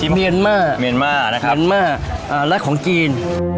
เมียนมาเมียนมานะครับเมียนมาร์และของจีน